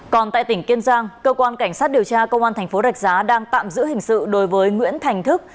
còn tại tỉnh kiên giang cơ quan cảnh sát điều tra công an thành phố rạch giá đang tạm giữ hình sự đối với nguyễn thành thức